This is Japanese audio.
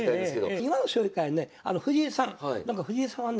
今の将棋界はねあの藤井さん藤井さんはね